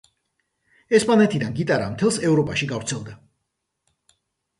ესპანეთიდან გიტარა მთელ ევროპაში გავრცელდა.